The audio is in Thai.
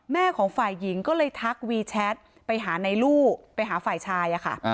แม่ของฝ่ายหญิงก็เลยทักวีแชทไปหาในลูกไปหาฝ่ายชายค่ะ